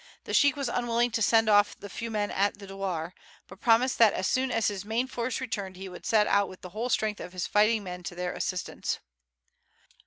The sheik was unwilling to send off the few men at the douar, but promised that as soon as his main force returned he would set out with the whole strength of his fighting men to their assistance.